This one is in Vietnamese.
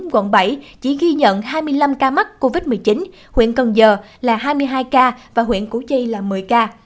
quận bảy chỉ ghi nhận hai mươi năm ca mắc covid một mươi chín huyện cần giờ là hai mươi hai ca và huyện củ chi là một mươi ca